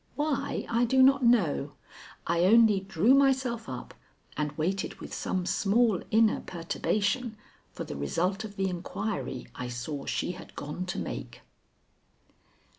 Why, I do not know. I only drew myself up and waited with some small inner perturbation for the result of the inquiry I saw she had gone to make.